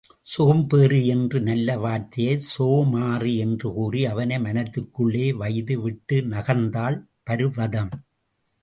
சோம்பேறி என்ற நல்ல வார்த்தையை சோமாறி என்று கூறி அவனை மனத்துக்குள்ளே வைது விட்டுப் நகர்ந்தாள் பர்வதம்.